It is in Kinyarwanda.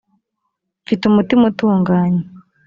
mfite umutima utunganye